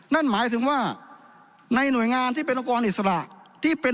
นั่นหมายถึงว่าในหน่วยงานที่เป็นองค์กรอิสระที่เป็น